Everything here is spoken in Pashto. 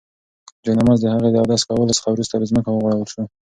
جاینماز د هغې د اودس کولو څخه وروسته په ځمکه وغوړول شو.